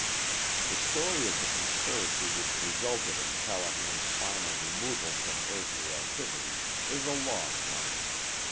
The story of the conspiracy which resulted in Callahan's final removal from earthly activities, is a long one.